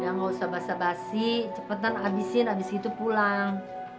nggak usah basa basi cepetan abisin abis itu pulang